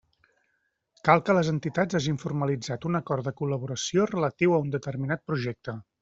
Cal que les entitats hagin formalitzat un acord de col·laboració relatiu a un determinat projecte.